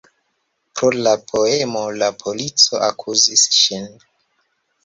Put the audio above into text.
Pro la poemo la polico akuzis ŝin.